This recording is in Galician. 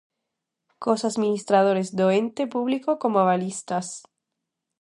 Cos administradores do ente público como avalistas.